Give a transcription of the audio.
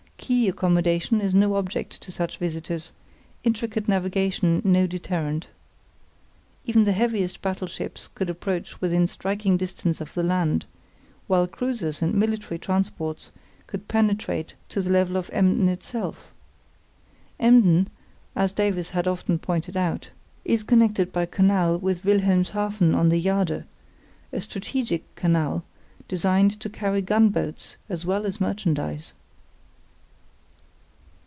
Quay accommodation is no object to such visitors; intricate navigation no deterrent. Even the heaviest battleships could approach within striking distance of the land, while cruisers and military transports could penetrate to the level of Emden itself. Emden, as Davies had often pointed out, is connected by canal with Wilhelmshaven on the Jade, a strategic canal, designed to carry gunboats as well as merchandise.